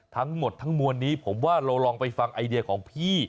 ทั้งหมดทั้งมวลนี้ผมว่าเราลองไปฟังไอเดียของพี่